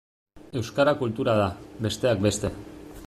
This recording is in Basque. Euskara kultura da, besteak beste.